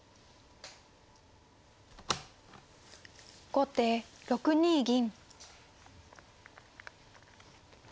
後手６二銀。